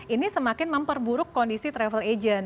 ini semakin memperburuk kondisi travel agent